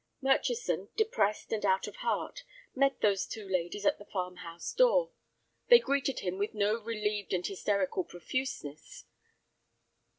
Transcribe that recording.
Murchison, depressed and out of heart, met these two ladies at the farm house door. They greeted him with no relieved and hysterical profuseness.